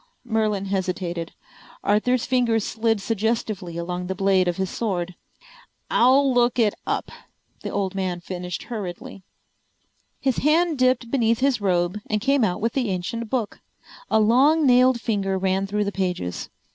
Merlin hesitated. Arthur's finger slid suggestively along the blade of his sword. "I'll look it up," the old man finished hurriedly. His hand dipped beneath his robe and came out with the ancient book. A long nailed finger ran through the pages.